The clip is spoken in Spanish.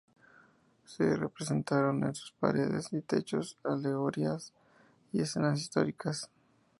Se representaron en sus paredes y techos alegorías y escenas históricas.